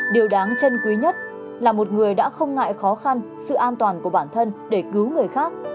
điều đáng chân quý nhất là một người đã không ngại khó khăn sự an toàn của bản thân để cứu người khác